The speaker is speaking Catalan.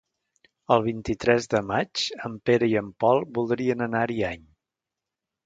El vint-i-tres de maig en Pere i en Pol voldrien anar a Ariany.